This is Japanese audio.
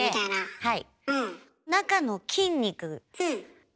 はい。